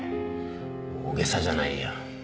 大げさじゃないよ。